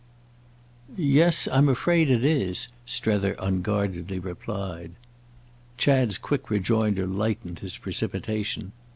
"Yes—I'm afraid it is," Strether unguardedly replied. Chad's quick rejoinder lighted his precipitation.